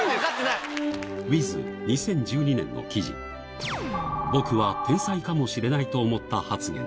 『ｗｉｔｈ』２０１２年の記事に「僕は天才かもしれないと思った」発言